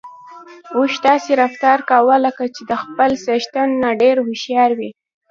اوښ داسې رفتار کاوه لکه چې د خپل څښتن نه ډېر هوښيار وي.